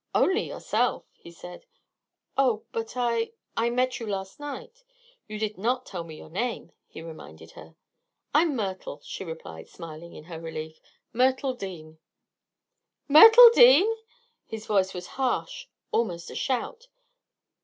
"Only yourself," he said. "Oh; but I I met you last night." "You did not tell me your name," he reminded her. "I'm Myrtle," she replied, smiling in her relief. "Myrtle Dean." "Myrtle Dean!" His voice was harsh; almost a shout.